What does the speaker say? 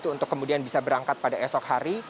untuk kemudian bisa berangkat pada esok hari